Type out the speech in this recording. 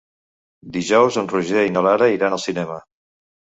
Dijous en Roger i na Lara iran al cinema.